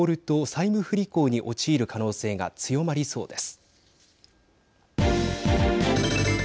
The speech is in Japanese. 債務不履行に陥る可能性が強まりそうです。